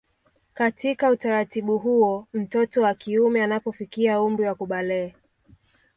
Katika utaratibu huo mtoto wa kiume anapofikia umri wa kubalehe